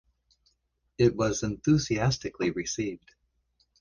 It was enthusiastically received.